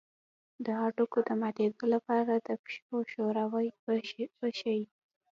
د هډوکو د ماتیدو لپاره د پښو ښوروا وڅښئ